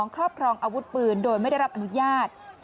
ครอบครองอาวุธปืนโดยไม่ได้รับอนุญาต